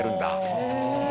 へえ。